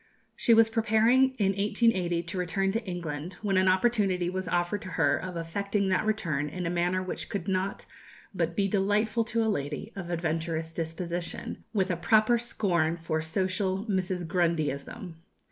She was preparing in 1880 to return to England, when an opportunity was offered to her of effecting that return in a manner which could not but be delightful to a lady of adventurous disposition, with a proper scorn for social "Mrs. Grundyism."